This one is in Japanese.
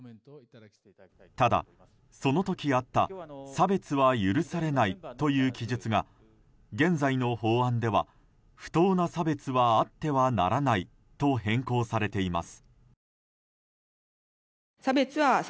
ただ、その時あった差別は許されないという記述が現在の法案では不当な差別はあってはならないと変更されています。